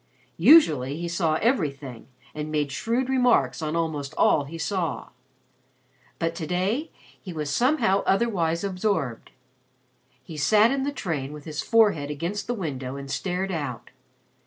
Usually he saw everything and made shrewd remarks on almost all he saw. But to day he was somehow otherwise absorbed. He sat in the train with his forehead against the window and stared out.